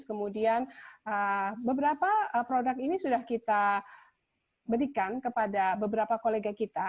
kemudian beberapa produk ini sudah kita berikan kepada beberapa kolega kita